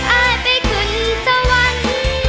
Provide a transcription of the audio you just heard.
อายติขึ้นสวรรค์